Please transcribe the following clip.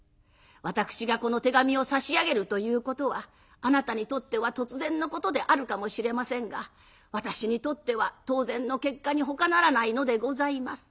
私がこの手紙を差し上げるということはあなたにとっては突然のことであるかもしれませんが私にとっては当然の結果にほかならないのでございます。